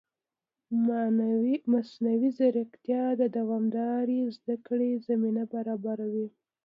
مصنوعي ځیرکتیا د دوامدارې زده کړې زمینه برابروي.